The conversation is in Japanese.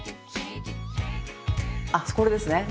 あっこれですね。